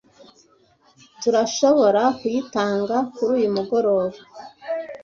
Tturashoborakuyitanga kuri uyu mugoroba.